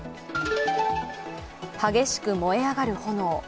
激しく燃え上がる炎。